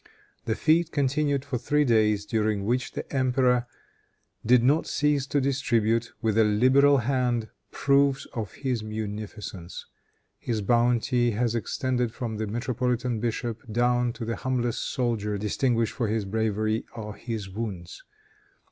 The fête continued for three days, during which the emperor did not cease to distribute, with a liberal hand, proofs of his munificence. His bounty was extended from the metropolitan bishop down to the humblest soldier distinguished for his bravery or his wounds.